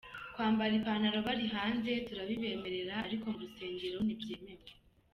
Kwambara ipantaro bari hanze turabibemerera ariko mu rusengero ntibyemewe.